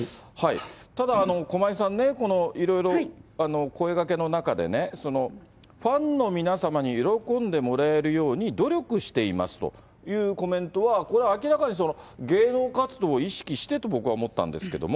ただ、駒井さんね、このいろいろ声がけの中でね、ファンの皆様に喜んでもらえるように努力していますというコメントは、これは明らかに芸能活動を意識してと僕は思ったんですけれども。